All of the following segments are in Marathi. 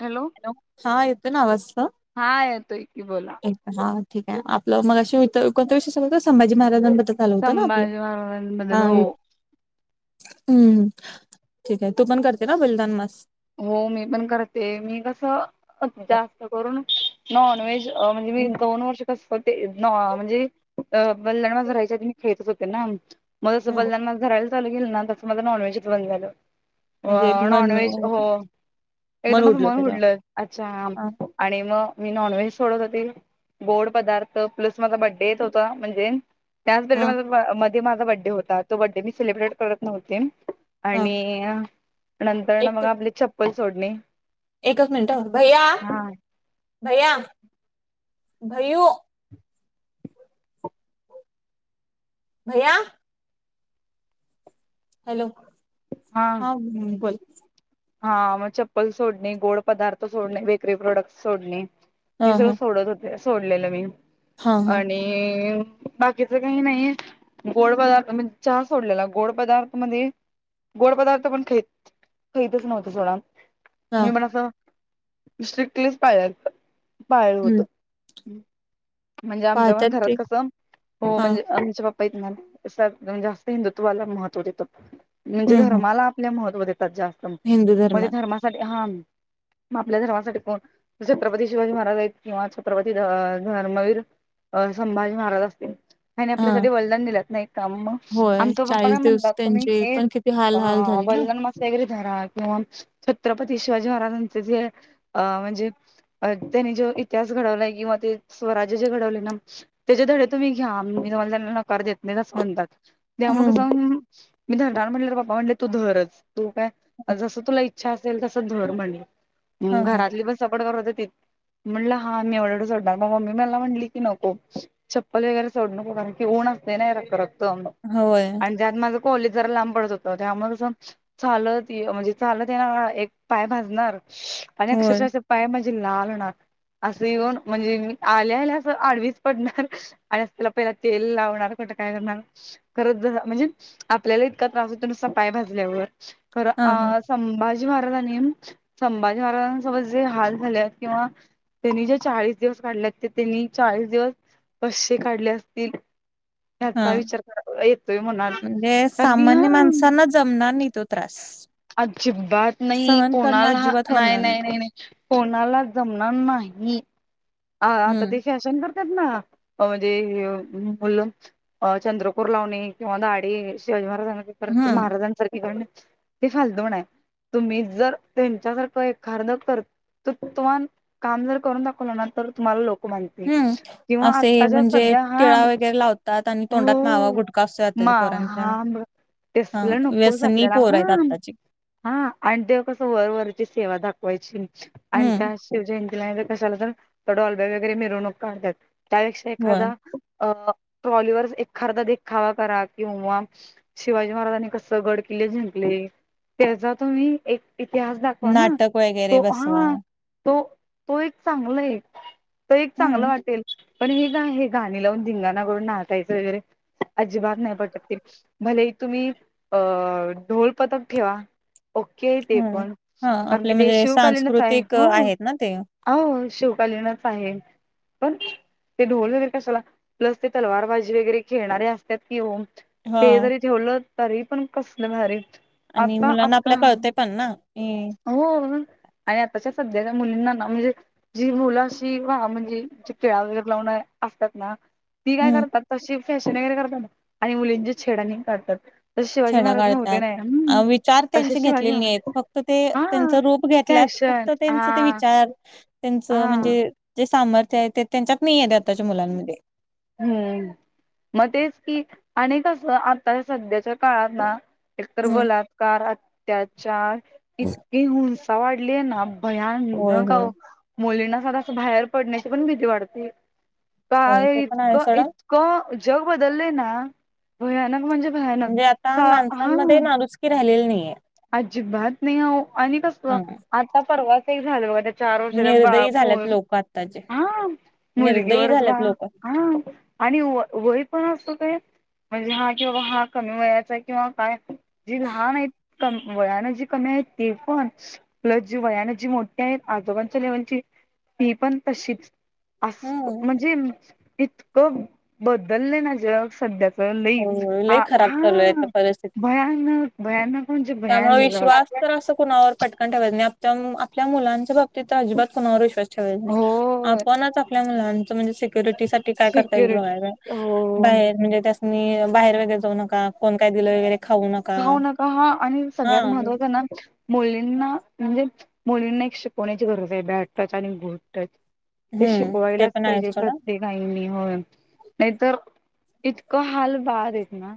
हॅलो हॅलो हा येतोय ना आवाज? हा येतोय की बोला. हा ठीक आहे आपला मगाशी विथ कोणता विषय चालू होता संभाजी महाराजांबद्दल चालू होत ना आपले संभाजी महाराजांबद्दल हा हो इ हम्म ठीक आहे तू पण करते ना बलिदान मास हो मी पण करते मी कसं जास्त करून नॉन व्हेज अ म्हणजे मी हम्म, दोन वर्ष तसं ते न म्हणजे अ बलिदान धरायच्या आधी मी खेळतच होते ना मग जसं हम्म. बलिदान मास धरायला चालू केल ना तसं माझं नॉनव्हेजच बंद झालं. म्हणजे अ, मन नॉनव्हेज हो एकदमच मन उडलं अच्छा. हा आणि मग मी नॉनव्हेज सोडत होते. गोड पदार्थ प्लस माझा बड्डे येत होता म्हणजे त्याच हा पिरियड म मध्ये माझा बड्डे होता तो बड्डे मी सेलिब्रेट करत नव्हते. हा. आणि नंतर न मग एक आपले चप्पल सोडणे एकच मिनटं हा भैया हा. भैया भैयू. भैया हॅलो हा उम्म बोल. हा मग चप्पल सोडणे, गोड पदार्थ सोडणे, बेकरी प्रोडक्ट्स सोडणे हे हा सगळं हा सोडत होते सोडलेलं मी हा हा आणि हे व बाकीच काही नाहीये. गोड पदार्थ मण चहा सोडलेला गोड पदार्थ मध्ये गोड पदार्थ पण खाईत खाईतच नव्हतो सोडा हा मी पण असं स्ट्रिक्टलीचं पाळलेलं. पाळले होतं. हम्म म्हणजे आमच्या पण पाहतात घरात ते कसं हो हा म्हणजे आमचे पप पा आहेत ना म श्रात जास्त हिंदुत्वाला महत्व देतात म्हणजे हम्म हम्म धर्माला लय महत्त्व देतात जास्त हिंदू म्हणजे धर्मात धर्मासाठी हाम. आपल्या धर्मासाठी कोण छत्रपती शिवाजी महाराज आहेत किंवा छत्रपती धर धर्मवीर अ संभाजी महाराज असतील. त्यानी हा आपल्यासाठी बलिदान दिल्यात नाहीत का मग होय आमचा पप्पा चाळीस काय दिवस म्हणतात तुम्ही त्यांचे हे पण किती हाल हाल अ झाले ना बलिदान मास [unintelligible] धरा किंवा छत्रपती शिवाजी महाराजांचे जे अ म्हणजे अ त्यांनी जो इतिहास घडवलाय किंवा ते स्वराज्य जे घडवलयं ना त्याचे धडे तुम्ही घ्या मी तुम्हाला त्यांना नकार देत नाहीत असं म्हणतात. त्यामुळं कसं हम्म मी धरणार म्हंटल्यावर पप्पा म्हटलेत तू धरच तू काय जसं तुला इ च्छा असेल तस धर म्हणले हा हा घरातली पण सपोर्ट करत होतीत. म्हणलं हा मी एवढं एवढं सोडणार मग मम्मी मला म्हटली की नको चप्पल वगैरे सोडु नको कारण की ऊन असतंय ना रखरखत ऊन. होय आणि त्यात माझ कॉलेज जरा लांब पडत होतं त्यामुळे कसं चालत तीय म्हणजे लं त्याना एक पाय भाजणार आणि होय अक्षरशः पाय म्हणजे लाल होणार. असं येऊन म्हणजे मी आलेल्या असं आडवीच पडणार. आणि असतीला पहिला तेल लावणार कुठं काय करणार. खरंच ज म्हणजे आपल्याला इतका त्रास होतो नुसता पाय भाजल्यावर खरं हा हा आं संभाजी महाराजांनी संभाजी महाराजांसोबत जे हाल झाले आहेत किंवा त्यांनी जे चाळीस दिवस काढले ते त्यांनी चाळीस दिवस कशे काढले असतील हे आता हा विचार करा येतोय मुनार म्हणजे तरनीया सामान्य हां माणसांना जमणार नाही तोत त्रास अजिबात नाही सहन करणं कोणाला हा अजिबात नाय होणार नाही नाय नाय नाय कोणाला जमणार नाही. आ हा आता ते हम्म फॅशन करत्यात ना म्हणजे ह्यो मुलं अ चंद्रकूर लावणे किंवा दाडे शिवजी महाराजांना ते परत हम्म महाराजांसार तिकडंना फालतू पण आहे तुम्ही जर त्यांच्यासारखं एख अर्धा कर त तुम्हान काम जर करून दाखवलं ना तर तुम्हाला लो म्हणते हम्म किंवा असे आत्ताच्या म्हणजे सध्या हा टिळा म वगैरे लावतात आणि तोंडात मावा हो गुटखा असतोय मा आताच्या पोरांच्या हावाम ब हा तेसला नकोच व्यसनी आपल्याला पोर आहेत हां. आत्ताची हा आणि तेव कसं वर-वरची सेवा दाखवायची आणि हम्म त्या अशी शिव जयंतीला नाहीतर कशाला तर तेवढं [unintelligible] वगैरे मिरवणूक काढत्यात त्यापेक्षा होय एखादा अ ट्रॉलीवर एकखरदा देखावा करा किंवा शिवाजी महाराजांनी कस गड किल्ले जिंकले, त्याजा तुम्ही एक इतिहास दाखवा ना, नाटक वगैरे तो बसवा हा तो तो एक चांगल ये. तो एक चांगलं हम्म वाटेल. पण हे का हे गाणी लावून धिंगाणाकडून नाचायचं वगैरे अजिबात नाही पटत ते भले तुम्ही, अ ढोल पथक ठेवा. ओके ते हम्म पण हा कारण आपले की ते म्हणजे शिवकालीनच आहे, सांस्कृतिक अ, हो आहेत ना ते ओ शिव कालीनच आहे पण ते ढोल वगैरे कशाला प्लस ते तलवार बाजी वगैरे खेळणारे असतात की ओ हा ते जरी ठेवलं, तरी पण कसलं भारीच आणि मुलांना आपल्या कळतंय पण ना अम हो आणि आताच्या सध्याच्या मुलींना ना म्हणजे जी मुल अशी अ म्हणजी जी टिळा वगैरे लावूण असतात ना ती काय करतात तशी फॅशन वगैरे करतात आणि मुलींची छेडानी काढतात. छेडा काढतात विचार तसे त्यांची शिवाजी घेतलेली नाही येत महाराज फक्त ते त्यांच हा रूप घेतल्यात फॅशन फक्त त्यांच ते हा विचार त्यांच हा म्हणजे जे सामर्थ आहे ते त्यांच्यात नाही ये ते आताच्या मुलांमध्ये हम्म, म तेच कि आणि कसं आता सध्याच्या काळात ना एकतर हम्म. बलात्कार, अत्याचार इतकी हुंसा वाढलीय ना भयान होय न का होय ओ, मुलींना साध अस बाहेर पडण्याची पण भीती वाटते. होय ते काय पण आहे इतकं सोडा इतकं, जग बदललेय ना भयानक म्हणजे भयानक म्हणजे आता सा हा माणसांमध्ये माणुसकी राहिलेली नाहीये. अजिबात नाही ओ आणि कस हा आता परवाच एक झालय बघा त्या चार वर्षाच्या बा निर्दयी पो झाल्यात लोक आत्ताचे हा, निर्दयी मुलगीवरच बा झाल्यात लोक. हा आणि व वय पण असू दे म्हणजे हा किं बाबा हा कमी वयाचा किंवा काय जी लहान आहेत. कमी वयाने जी कमी आहे ती पण प्लस जी वयाने जी मोठी आहेत आजोबांच्या लेवलची ती पण तशीच अस हम्म म्हणजे इतकं बदललेय ना जग सध्या होय लईच होय लय आ खराब चालू आहे हाआ आता परिस्थिती. भयानक भयानक म्हणजे त्यामुळे विश्वास भयानक तर असं कुणावर पटकान ठेवायचं नाही आप आपल्या मुलांच्या बाबतीत अजिबात कुणावर विश्वास [unintelligible] हो आपणच आपल्या मुलांच म्हणजे सिक्युरिटी साठी काय करता येईल ते बघायला सिक्युरिटी पाहिजे. हो बाहेर म्हणजे त्यासनी अ बाहेर वगैरे जाऊ नका कोण काय दिलं वगैरे खाऊ नका हा आणि हा सगळ्यात महत्वाचा ना मुलींना म्हणजे मुलींना एक शिकवण्याची गरज आहे बॅड टच आणि गुड टच हे हम्म ते शिकवायलाच पण पाहिजे आहेच सोडा प्रत्येक नाही मी होय नाहीतर इतकं हाल बाद येत ना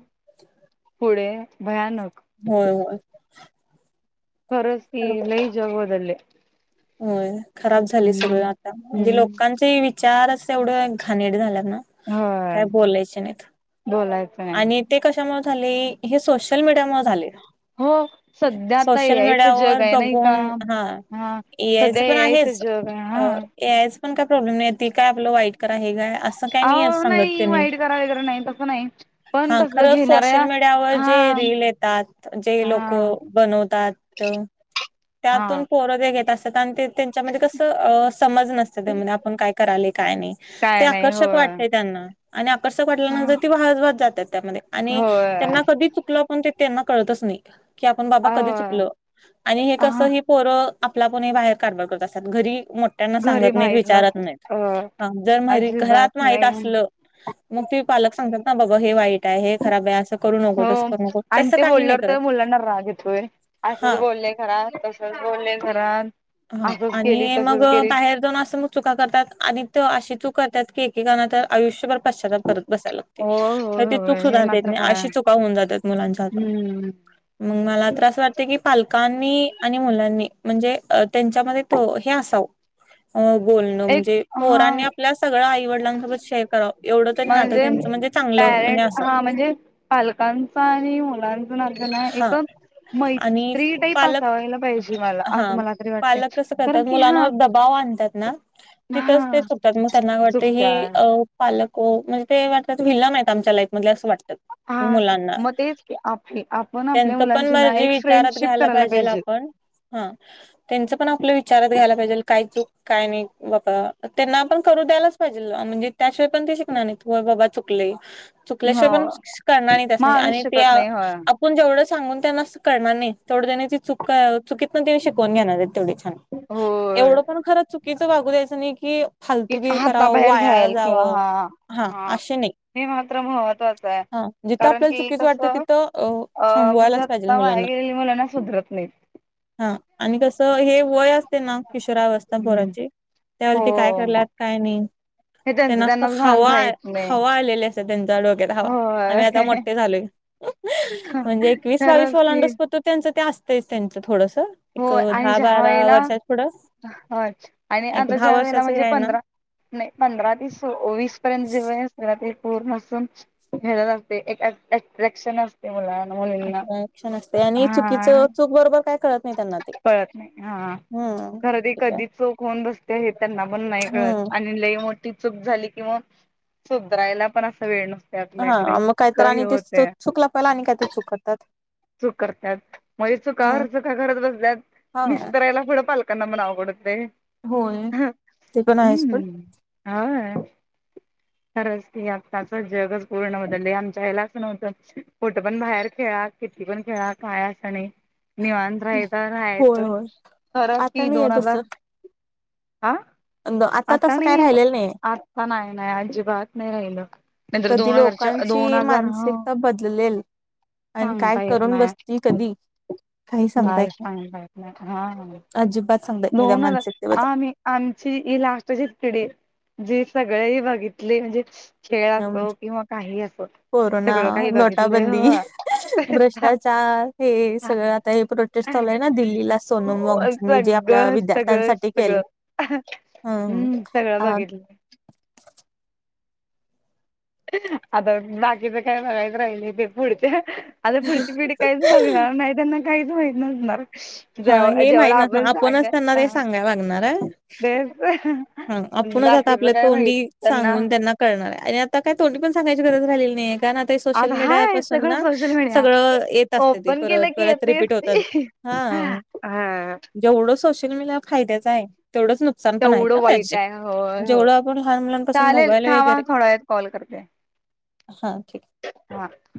पुढे भयानक होय होय. खरच की लय जग बदलय. होय. खराब झाली सगळं आता म्हणजे हम्म. लोकांचाही विचार अस एवढं घाणेरड झाल्यात ना काय बोलायचे नाहीत. बोलायच ये. आणि ते कशामुळे झाले हे सोशल मीडियामुळे झाले. हो सध्या आता ए सोशल आय चं जग मीडियावर, आहे नाही बघून का? हं हा ए आय च सध्या पण चं आहेच, जग आहे हा. ए आयच पण काय प्रॉब्लेम नही, ते काय आपलं वाईट करा, हे काय, अस काय नही असं अहो समजत नाही त्यांनी, वाईट करा वगैरे नाही तसं नाही पण हं कसं खरं सोशल घेणाऱ्या मीडियावर, हा जे रील ये तात, जे लोकं हा बनवतात, त त्यातून हा पोरं जे घेत कारण, ते त्यांच्यामध्ये कसं, समज नसतं, त्यान आपण काय कराले, काय नही. ते काय नाही आकर्षक होय वाटतय, त्यांना. आणि आकर्षक वाटल्यानंतर, ती वाहज- वाहत जातात, त्यामध्ये आणि त्यांना होय कधीच चुकलं, पण ते त्यांना कळतच नही, की आपण बाबा अ कधी चुकलं, आणि हे कस हा हे पोरं आपलापन बाहेर, कारभार करत असत्यात, घरी मो त्यांना सांगत गरीब नहीत, आहेत ना विचारत नाहीत, अ जर म अजिबात घरात माहित नाही असलं मग ते पालक सांगतात ना, बाबा हे वाईट ये, हे खराब ये, असं करू नको हो तसं करू नको आन, तसं ते काही नाही बोलल्यावर, करत त्यां मुलांना राग येतोय, असंच हा बोलले घरात [unintelligible] बोलले खरात हं आणि मग बाहेर जाऊन, असं नु चुका करतात आणि ते अशी चूक करतात की, एकेकाणा तर आयुष्यभर, पश्चाताप करत बसाय लागते. हो तर होय ती होय चूक हे सुधारता येत मात्र नही, खरं अशी आहे चुकां होऊन जात्यात, मुलांच्या हातून हम्म मंग मला तर असं वाटत की पालकांनी आणि मुलांनी म्हणजे त्यांच्यामध्ये तो हे असावं, बोलणं एक म्हणजे, हा पोरांनी आपल्या सगळं आई-वडल [unintelligible] सोबत शेअर कराव, एवढं तरी नातं म्हणजे त्यांचं, म्हणजे चांगलं, म्हणजे असं म्हणजे? पालकांच आणि मुलांच नात ना, हां एकदम आणि मैत्री टाईप पालक असावयला पाहिजे, मला, हां असं हां. मला तरी वाटते पालक कस कारण करतात, की हा मुलांवर दबाव आणतात ना, तिथंच हा ते चू कतात, मग त्यांना वाटत, हे चुकत्यात अ पालक ओ, म्हणजे ते वाटतात, व्हिलण येत आमच्या लाईफ मधले, असं वाटतं हा मुलांना, मग तेच की आपली आपण आपल्या त्यांच पण मुलांशी ना मर्जी एक विचारात, फ्रेंडशिप घ्यायला करायला पाहिजेल, पाहिजे आप ण हं त्यांच पण आपलं, विचारात घ्यायला पाहिजे, काय चुक काय नही बाबा, त्यांना पण करू द्यायलाच पाहिजेल, म्हणजे त्याशिवाय पण, ते शिकणार नहीत. होय बाबा चुकले, हो चुकल्याशिवाय पण, कळणार नही त्यास्नी, आणि माणूस त्या शकत नाही होय आप पण जेवढं सांगून, त्यांना अस कळणार नही, तेवढं त्यांनी ती चुक-चुकीत, पण ते शिकवून घेणार. तेवढ छान, होय एवढं पण खरं चुकीचं, वागू द्यायचं नही कि की फालतुगीरी करावं, हाताबाहेर वाया जाईल किंवा जावं, हा हा अशे नही. हे मात्र महत्त्वाचं आहे हां जिथं कारण आपल्याला की चुकीच वाटतं, तिथं अ थांबवायलाच त पाहिजे वाया गेलेली, मुलं ना सुधरत नहीत. हं आणि कसं, हे वय असते ना, किशोराव अवस त्यां हम्म पोराची, त्यावेळेला हो ते काय करल्यात, काय नही? हे त्यांना त्यांचं असत त्यांनाच भान हवाय, राहत नाही हवा आलेली असते, त्यांचा डोक्यात हवा, होय आम्ही आता मोठे झालोय ह्हणं ह्हणं, म्हणजे एकवीस-बावीस खरंच की ओलांडोस्तर त त्यांचं ते असतच, त्यांच थोडंसं, हो एक आणि दहा जे हवा बारा यायला, वर्षात पुढं होय आणि एक दहा अभ्यासाच्या वेळेला वर्षाच हे म्हणजे आहे ना पंधरा नही पंधरा ते सं वीस पर्यंत, जे वय असत ना, ते पूर्ण असुन खेळ घालते, एक ऍट-अट्रॅक्शन अस ते [unintelligible] मुल अट्रॅकशन असते आणि चुकीचं, चूक- बरोबर काय, कळत नाही त्यांना. ते कळत नाही, हं हम्म खरं ती ठीक आहे कधी, चूक होऊन बसते हे त्यांना पण नाही कळत, हम्म आणि लई मोठी चूक झाली कि मग, सुधारायला पण, असा वेळ नस हा मग काहीतर आणि ते चुक लपवायला आणि काहीत चुकतात चुक करतात मने चुका हर चुका घरत बसल्या हा निस्तरायला पुढं पालक त्याला मला आवघड हुतय होय ते पण आहेच हम [unintelligible] हा [inaudible] खरंच की आत्ताच जगच पूर्ण बदलले आमच्या वेळेला असं नव्हतं कुटं पण बाहेर खेळा किती पण खेळा काय असणी निवांत रायताळ होय राहायचं होय खरंच आता कि नाही आहे दोन हजार तसं हा आता तसं काय नाही राहिलेलं नाही आत्ता नाही नाही अजिबात नाही राहिल कधी लोकांची मानसिकता बदलेल आणि काय सांगता येत करून नाही बसतील कधी नाही सांगता येत नाही हा अजिबात सांगतय त्या दोन हजार मानसिकते बद्दल आम्ही आमची ही लास्टची पीढ़ी जे सगळे बघितले म्हणजे खेळ असो किंवा काही असो कोरोना, सगळं काही बघितलंय नोटाबंदी हो हे भ्रष्टाचार हे सगळं आता हे तेच चालू आहे ना दिल्लीला सोनमग जे सगळं आपल्या सगळंच विद्यार्थ्यांसाठी केले सगळं ह हम्म सगळं बघितलं हा आता बाकीच काय बघायचं राहिले ते पुढच्या हा आता पुढची पिढी काहीच बघणार नाही त्यांना काहीच माहीत नसणार हा जव हे जेवढं माहित नसणार आपण सांग आपणच त्यांना ते ह सांगायला लागणार आहे बस ह हा आपणच आता आपल्या तोंडी सांगून त्यांना कळणार आहे आणि आता काय तोंडी पण सांगायची गरज रालेली नाहीय कारण ते सोशल आता मीडिया हाय पासून सगळं ना सोशल मीडिया सगळं येत असते त ओपन परत केलं की परत येतेच रिपीट होतात ती. हा हा जेवढं सोशल मीडियाला फाद्याचं आहे तेवढंच नुकसान पण आहे तेवढं वाईट पाहीजे आहे होय होय. जेवढं आपण लहान मुलांपासून चालेल मोबाईल थांबा वगैरे थोड्या वेळात कॉल करते हा ठीक हाय हा